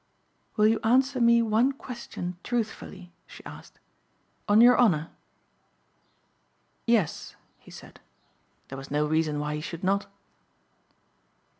"Will you answer me one question truthfully," she asked, "on your honor?" "Yes," he said. There was no reason why he should not.